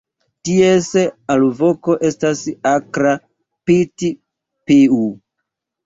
Ties alvoko estas akra "pit-piu".